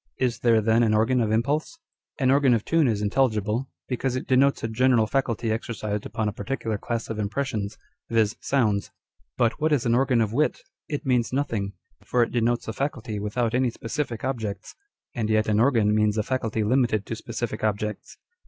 Is there then an organ of impulse ? An organ of tune is intelligible, because it denotes a general faculty exercised upon a particular class of impressions, viz., sounds. But what is an organ of wit ? It means nothing ; for it denotes a faculty without any specific objects : and yet an organ means a faculty limited to specific objects.